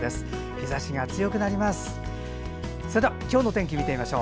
日ざしが強くなります。